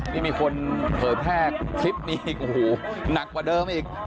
นี่มีคนเผยแพร่คลิปนี้โอ้โหหนักกว่าเดิมอีก